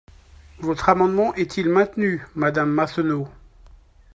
Votre amendement est-il maintenu, madame Massonneau?